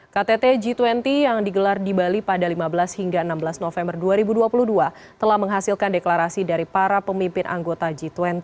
ktt g dua puluh yang digelar di bali pada lima belas hingga enam belas november dua ribu dua puluh dua telah menghasilkan deklarasi dari para pemimpin anggota g dua puluh